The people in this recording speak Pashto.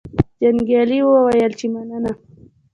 جنګیالي وویل چې مننه.